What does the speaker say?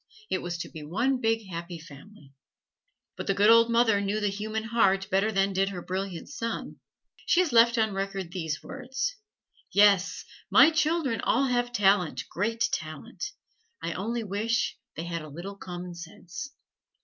It was to be one big happy family. But the good old mother knew the human heart better than did her brilliant son. She has left on record these words: "Yes, my children all have talent, great talent; I only wish they had a little commonsense!"